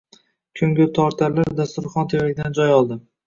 Ko‘ngiltortarlar dasturxon tevaragidan joy oldi.